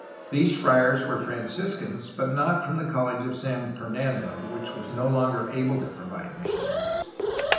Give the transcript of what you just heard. These friars were Franciscans, but not from the College of San Fernando, which was no longer able to provide missionaries.